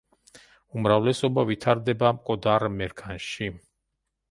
უმრავლესობა ვითარდება მკვდარ მერქანში.